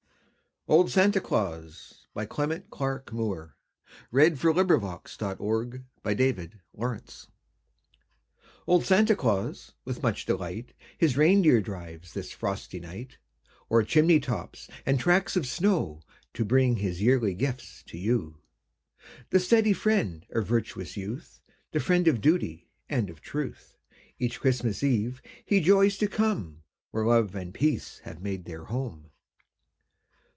materials for teachers poetry near you Old SanteclausClement Clarke Moore 1779 1863 Old Santeclaus with much delight His reindeer drives this frosty night, O'er chimney tops, and tracks of snow, To bring his yearly gifts to you. The steady friend of virtuous youth, The friend of duty, and of truth, Each Christmas eve he joys to come Where love and peace have made their home.